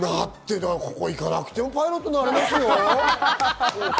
ここに行かなくてもパイロットになれますよ。